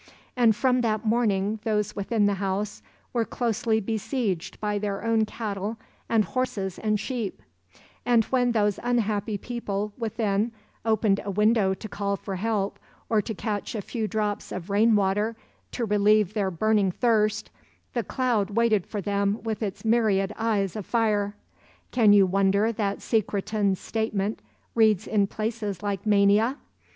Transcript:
And from that morning those within the house were closely besieged by their own cattle and horses and sheep; and when those unhappy people within opened a window to call for help or to catch a few drops of rain water to relieve their burning thirst, the cloud waited for them with its myriad eyes of fire. Can you wonder that Secretan's statement reads in places like mania?